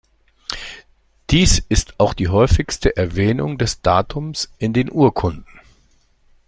Dies ist auch die häufigste Erwähnung des Datums in den Urkunden.